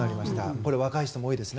これは若い方も多いですね。